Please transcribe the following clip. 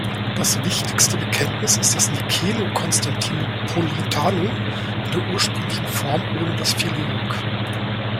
Das wichtigste Bekenntnis ist das Nicäno-Konstantinopolitanum in der ursprünglichen Form ohne das Filioque.